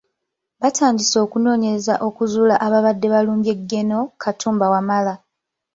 Baatandise okunoonyereza okuzuula abaabadde balumbye Gen. Katumba Wamala.